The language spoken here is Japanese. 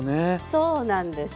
そうなんです。